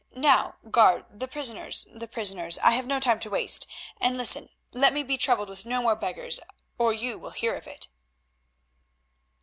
"Now, guard, the prisoners, the prisoners. I have no time to waste—and listen—let me be troubled with no more beggars, or you will hear of it."